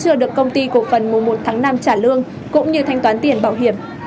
chưa được công ty cổ phần mùa một tháng năm trả lương cũng như thanh toán tiền bảo hiểm